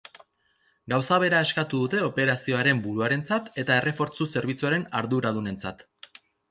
Gauza bera eskatu dute operazioaren buruarentzat eta errefortzu zerbitzuaren arduradunentzat.